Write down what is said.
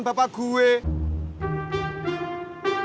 bapak saya mau ke sini lagi